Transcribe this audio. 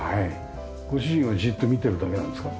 ご主人はじっと見てるだけなんですか？